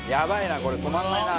これ止まらないな。